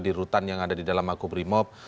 di rutan yang ada di dalam makobrimob